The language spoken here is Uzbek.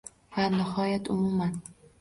Va nihoyat, umuman...